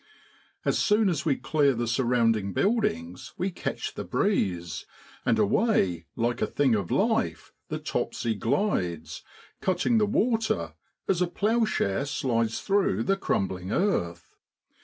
As soon as we clear the surrounding buildings we catch the breeze, and away like a thing of life the Topsy glides, cutting the water as a ploughshare slides through the crumbling earth.